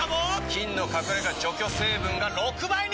菌の隠れ家除去成分が６倍に！